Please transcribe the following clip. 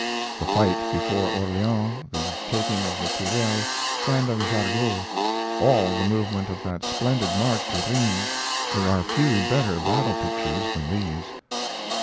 The fight before Orleans, the taking of the Tourelles and of Jargeau, all the movement of that splendid march to Rheims, there are few better battle pictures than these.